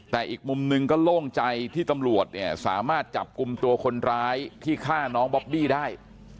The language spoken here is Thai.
แต่อีกมุมหนึ่งก็โล่งใจที่ตำรวจเนี่ยสามารถจับกลุ่มตัวคนร้ายที่ฆ่าน้องบอบบี้ได้